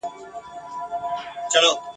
قوماندان وايی بری دی ځو پر لنډه لار رسیږو !.